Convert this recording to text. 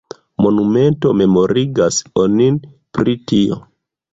Monumento memorigas onin pri tio.